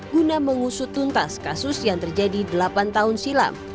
guna mengusut tuntas kasus yang terjadi delapan tahun silam